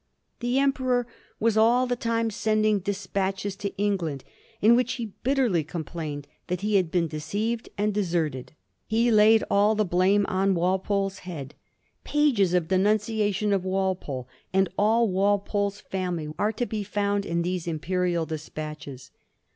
The Emperor was all the time sending despatches to England, in which he bitterly complained that he had been deceived and deserted. He laid all the blame on Walpole's head. Pages of denunciation of Wal pole and all Walpole's family are to be found in these im perial despatches.